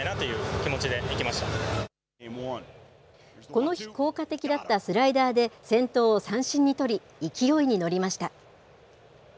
この日効果的だったスライダーで先頭を三振に取り、勢いに乗りました。